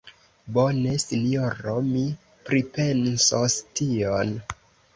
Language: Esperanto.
Bone, sinjoro; mi pripensos tion.